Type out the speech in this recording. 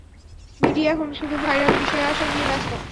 Media এখন শুধু viral বিষয়আষয় নিয়ে ব্যস্ত।